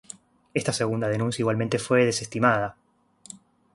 Esta segunda denuncia igualmente fue desestimada.